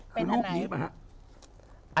คือน้องให้พูดดินะคะ